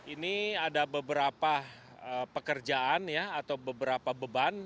ini ada beberapa pekerjaan atau beberapa beban